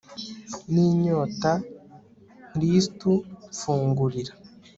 n'inyota, nkristu mfungurira